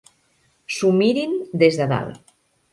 S'ho mirin des de dalt.